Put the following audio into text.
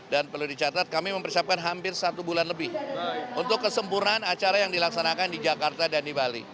dan perlu dicatat kami mempersiapkan hampir satu bulan lebih untuk kesempurnaan acara yang dilaksanakan di jakarta dan di bali